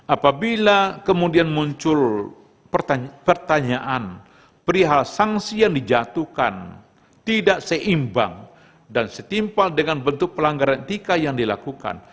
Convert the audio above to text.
apabila kemudian muncul pertanyaan perihal sanksi yang dijatuhkan tidak seimbang dan setimpal dengan bentuk pelanggaran etika yang dilakukan